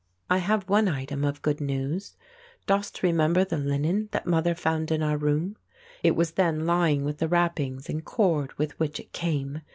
"I have one item of good news. Dost remember the linen that Mother found in our room. It was then lying with the wrappings and cord with which it came.